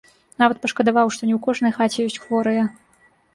Нават пашкадаваў, што не ў кожнай хаце ёсць хворыя.